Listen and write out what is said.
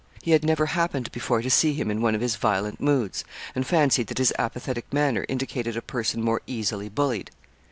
He had never happened before to see him in one of his violent moods, and fancied that his apathetic manner indicated a person more easily bullied.